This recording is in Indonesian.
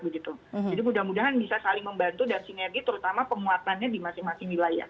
jadi mudah mudahan bisa saling membantu dan sinergi terutama pemuatannya di masing masing wilayah